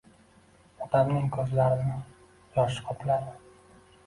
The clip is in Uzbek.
Otamning ko'zlarini yosh qopladi.